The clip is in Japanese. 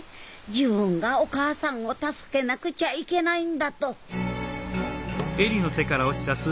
自分がお母さんを助けなくちゃいけないんだとどうしたの？